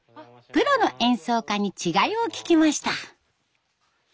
プロの演奏家に違いを聞きました。